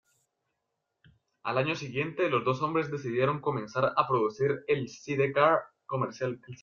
Al año siguiente, los dos hombres decidieron comenzar a producir el sidecar comercialmente.